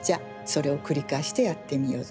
それを繰り返してやってみよう。